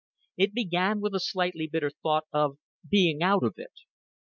It began with the slightly bitter thought of being "out of it."